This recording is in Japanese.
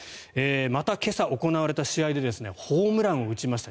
また今朝行われた試合でホームランを打ちました。